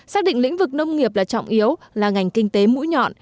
xác định lĩnh vực nông nghiệp là trọng yếu là ngành kinh tế mũi nhọn